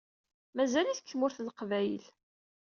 Mazal-it deg Tmurt n Leqbayel.